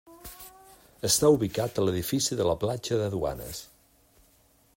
Està ubicat a l'edifici de la platja de Duanes.